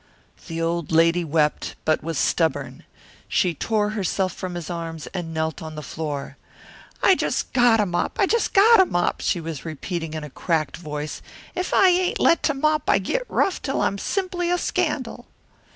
The old lady wept, but was stubborn. She tore herself from his arms and knelt on the floor. "I just got to mop, I just got to mop," she was repeating in a cracked voice. "If I ain't let to mop I git rough till I'm simply a scandal."